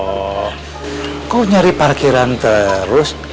oh kok nyari parkiran terus